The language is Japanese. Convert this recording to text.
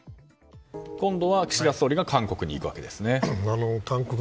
今度は岸田総理が韓国に行くわけですね。